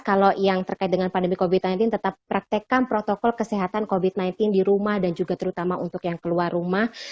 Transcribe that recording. kalau yang terkait dengan pandemi covid sembilan belas tetap praktekkan protokol kesehatan covid sembilan belas di rumah dan juga terutama untuk yang keluar rumah